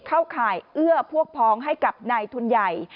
ข่ายเอื้อพวกพ้องให้กับนายทุนใหญ่